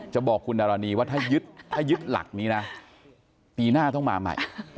บอกคุณดารณีว่าถ้ายึดหลักนี้นะปีหน้าต้องมาใหม่